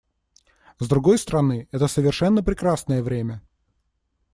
С другой стороны, это совершенно прекрасное время.